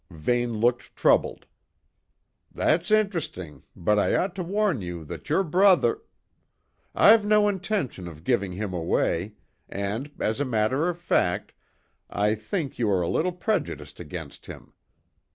Vane looked troubled, "That's interesting, but I ought to warn you that your brother " "I've no intention of giving him away, and, as a matter of fact, I think you are a little prejudiced against him.